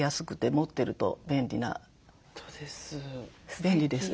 便利です。